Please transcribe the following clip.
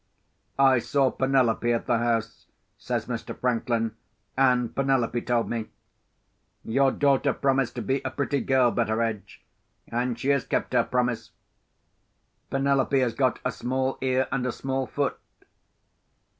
"I saw Penelope at the house," says Mr. Franklin; "and Penelope told me. Your daughter promised to be a pretty girl, Betteredge, and she has kept her promise. Penelope has got a small ear and a small foot.